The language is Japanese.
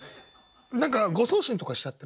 何か誤送信とかしちゃってる？